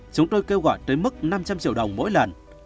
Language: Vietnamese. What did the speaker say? chúng tôi kêu gọi tới mức năm trăm linh triệu đồng mỗi lần